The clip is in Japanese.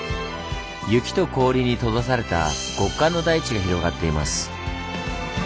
雪と氷に閉ざされた極寒の大地が広がっています。